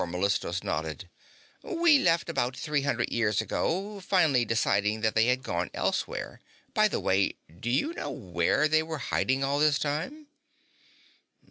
Bor Mellistos nodded. "We left about three hundred years ago, finally deciding that they had gone elsewhere. By the way, do you know where they were hiding all this time?"